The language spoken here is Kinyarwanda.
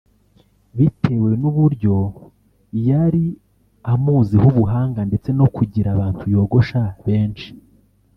bitewe n’uburyo yari amuziho ubuhanga ndetse no kugira abantu yogosha benshi